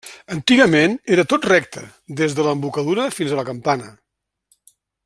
Antigament era tot recte, des de l'embocadura fins a la campana.